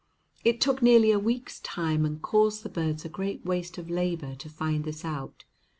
It took nearly a week's time and caused the birds a great waste of labor to find this out.